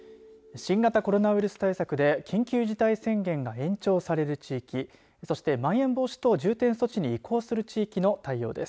新型コロナウイルス対策で緊急事態宣言が延長される地域そしてまん延防止等重点措置に移行する地域の対応です。